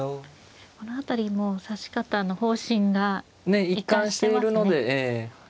この辺りもう指し方の方針が一貫してますね。